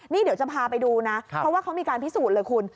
นี่เดี๋ยวจะพาไปดูนะเพราะว่าเขามีการพิสูจน์เลยคุณ